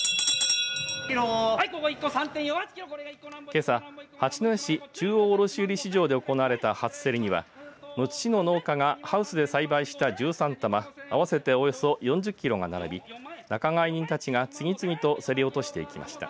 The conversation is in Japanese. けさ、八戸市中央卸売市場で行われた初競りにはむつ市の農家がハウスで栽培した１３玉合わせておよそ４０キロが並び仲買人たちが次々と競り落としていきました。